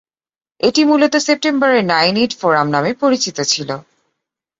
এটি মূলত "সেপ্টেম্বরে-নাইনএইট-ফোরাম" নামে পরিচিত ছিল।